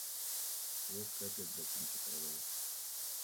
Вовка опять ботинки порвал.